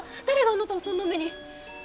誰があなたをそんな目に。